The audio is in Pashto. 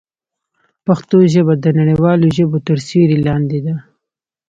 پښتو ژبه د نړیوالو ژبو تر سیوري لاندې ده.